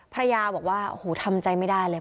ภรรยาบอกว่าโอ้โหทำใจไม่ได้เลย